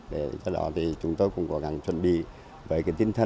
để từ đó thì chúng tôi cũng cố gắng chuẩn bị với cái tinh thần